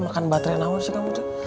makan baterai nawa sih kamu tuh